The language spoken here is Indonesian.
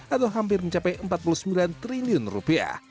atau hampir mencapai empat puluh sembilan triliun rupiah